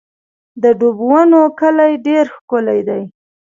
د ډبونو کلی ډېر ښکلی دی